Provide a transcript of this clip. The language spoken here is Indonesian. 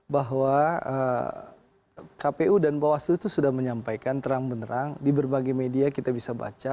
bahwa kpu dan bawaslu itu sudah menyampaikan terang benerang di berbagai media kita bisa baca